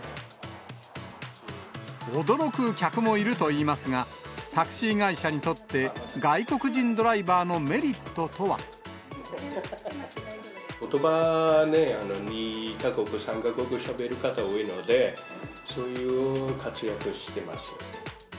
驚く客もいるといいますが、タクシー会社にとって外国人ドライバーのメリットとは。ことばね、２か国、３か国語しゃべる方多いので、そういう活躍してます。